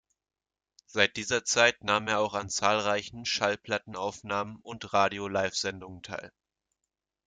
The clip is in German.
Seit dieser Zeit nahm er auch an zahlreichen Schallplattenaufnahmen und Radio-Live-Sendungen teil.